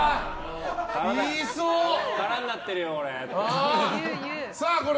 空になってるよ、これ。